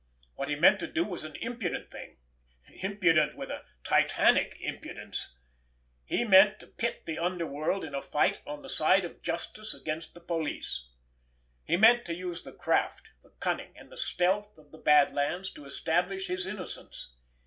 What he meant to do was an impudent thing—impudent with a Titanic impudence. He meant to pit the underworld in a fight on the side of justice against the police. He meant to use the craft, the cunning and the stealth of the Bad Lands to establish his innocence.